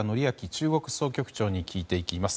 中国総局長に聞いていきます。